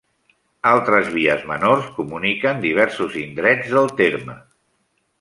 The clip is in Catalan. Altres vies menors comuniquen diversos indrets del terme.